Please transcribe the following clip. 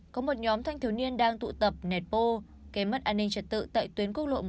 có một nhóm thanh thiếu niên đang tụ tập netpo kế mất an ninh trật tự tại tuyến quốc lộ một a